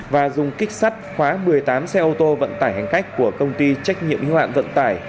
và dùng kích sắt khóa một mươi tám xe ô tô vận tải hành cách của công ty trách nhiệm huy hoạng vận tải